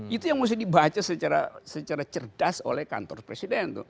itu yang mesti dibaca secara cerdas oleh kantor presiden